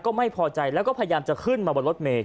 ก็ไม่พอใจแล้วก็พยายามจะขึ้นมาบนรถเมฆ